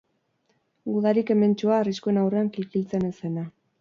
Gudari kementsua, arriskuen aurrean kikiltzen ez zena.